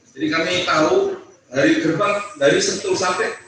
jadi kami tahu dari gerbang dari sentul sampai